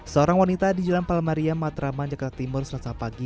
seorang wanita di jalan palmaria matraman jakarta timur selasa pagi